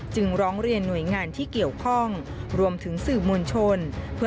จึงร้องเรียนหน่วยงานที่เกี่ยวข้องรวมถึงสื่อมวลชน